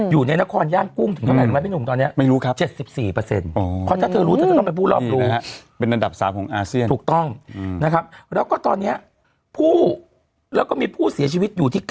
อยู่ในนครย่างกุ้งถึงเท่าไหร่รู้ไหมพี่หนุ่มตอนนี้